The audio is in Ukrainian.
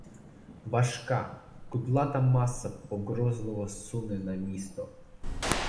Важка, кудлата маса погрозливо суне на місто.